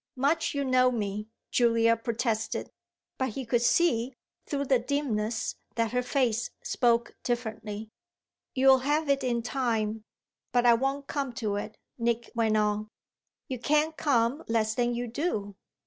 "Much you know me!" Julia protested; but he could see, through the dimness, that her face spoke differently. "You'll have it in time, but I won't come to it," Nick went on. "You can't come less than you do."